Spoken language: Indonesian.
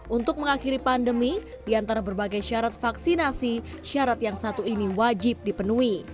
untuk mengakhiri pandemi di antara berbagai syarat vaksinasi syarat yang satu ini wajib dipenuhi